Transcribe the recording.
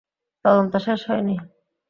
তদন্ত শেষ হয়নি।